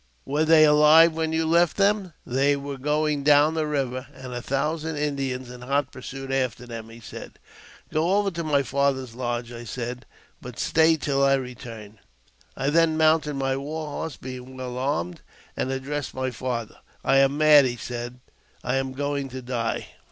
Were they alive when you left them?" " They were going down the river, and a thousand Indians in hot pursuit after them," he said. " Go over to my father's lodge," I said to him," and stay till I return." " I then mounted my war horse, being well armed, and addressed my father: " I am mad," I said ; "I am going to die."